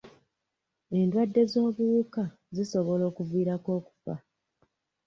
Endwadde z'obuwuka zisobola okuviirako okufa.